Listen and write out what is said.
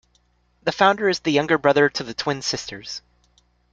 The founder is the younger brother to the twin sisters.